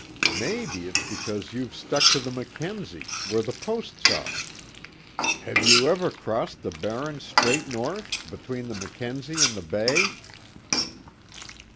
"Maybe it's because you've stuck to the Mackenzie, where the posts are. Have you ever crossed the barrens straight north between the Mackenzie an' the Bay?"